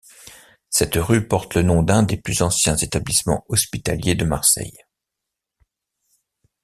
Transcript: Cette rue porte le nom d’un des plus anciens établissements hospitaliers de Marseille.